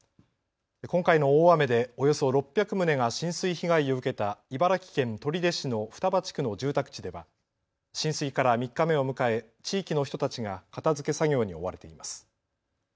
今回の大雨でおよそ６００棟が浸水被害を受けた茨城県取手市の双葉地区の住宅地では浸水から３日目を迎え地域の人たちが片づけ作業に追われています。